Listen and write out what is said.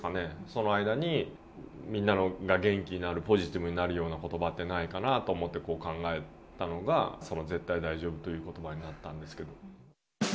その間にみんなが元気になるポジティブになるような言葉はないかなと考えたのがその、絶対大丈夫という言葉になったんですが。